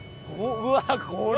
うわあ！これ？